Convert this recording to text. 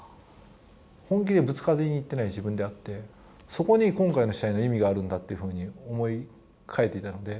本気でぶつかりに行ってない自分であってそこに、今回の試合の意味があるんだっていうふうに思い変えていたので。